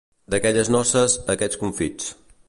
D'aquelles noces, aquests confits.